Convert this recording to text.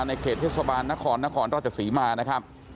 ในเขตเทศบาลนครนครราชศรีมานะครับ